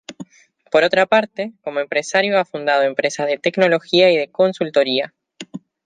Por otra parte, como empresario ha fundado empresas de Tecnología y de Consultoría.